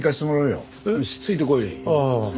よしついてこい。